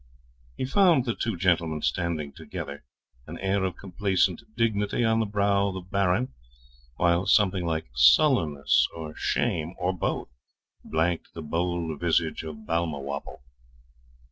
He found the two gentlemen standing together, an air of complacent dignity on the brow of the Baron, while something like sullenness or shame, or both, blanked the bold visage of Balmawhapple.